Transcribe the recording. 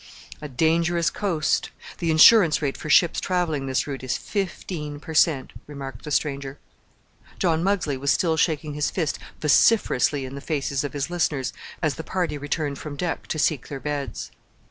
"A dangerous coast the insurance rate for ships travelling this route is fifteen per cent.," remarked the stranger. John Muggsley was still shaking his fist vociferously in the faces of his listeners as the party returned from deck to seek their beds.